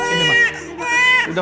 ini kedekika dia